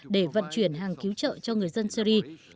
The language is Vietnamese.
để vận chuyển hàng cứu trợ cho người dân syri